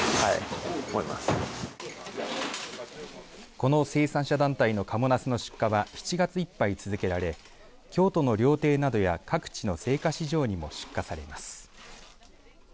この生産者団体の賀茂なすの出荷は７月いっぱい続けられ京都の料亭などや各地の青果市場などにも出荷されます。